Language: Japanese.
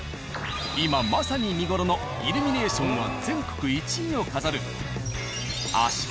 今まさに見頃のイルミネーションは全国１位を飾る。